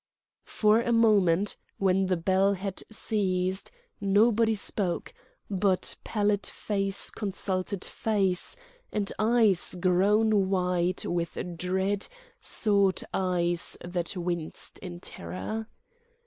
For a moment, when the bell had ceased, nobody spoke; but pallid face consulted face and eyes grown wide with dread sought eyes that winced in terror.